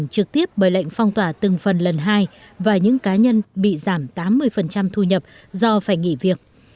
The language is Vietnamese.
trực tiếp bởi lệnh phong tỏa từng phần lần hai và những cá nhân bị giảm tám mươi thu nhập do phải nghỉ việc